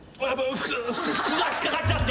服が引っ掛かっちゃって。